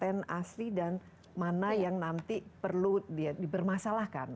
ini adalah kekuatan asli dan mana yang nanti perlu dibermasalahkan